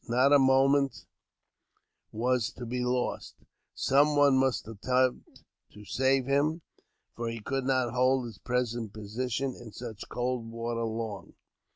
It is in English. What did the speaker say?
Not a moment was to be lost. Some one must attempt to save him, for he 5 66 AUTOBIOGBAPHY OF could not hold his present position, in such cold water, long.